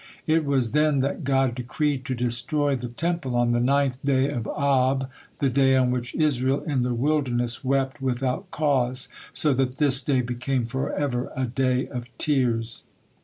It was then that God decreed to destroy the Temple on the ninth day of Ab, the day on which Israel in the wilderness wept without cause, so that this day became forever a day of tears.